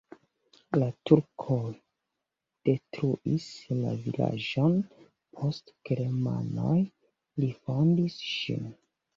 La turkoj detruis la vilaĝon, poste germanoj refondis ĝin.